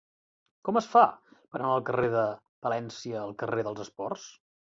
Com es fa per anar del carrer de Palència al carrer dels Esports?